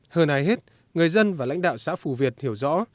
hơn ai hết người dân và lãnh đạo xã phù việt hiểu rõ